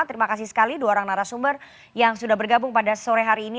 terima kasih sekali dua orang narasumber yang sudah bergabung pada sore hari ini